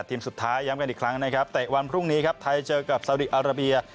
ทีมสุดท้ายย้ำกันอีกครั้งนะครับเตะวันพรุ่งนี้ครับไทยเจอกับสาวดีอาราเบีย